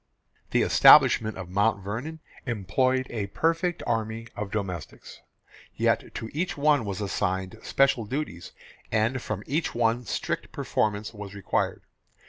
The establishment of Mount Vernon employed a perfect army of domestics; yet to each one was assigned special duties, and from each one strict performance was required.